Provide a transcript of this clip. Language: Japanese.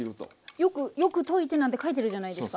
よく「よく溶いて」なんて書いてるじゃないですか。